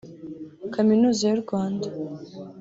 Kaminuza y’u Rwanda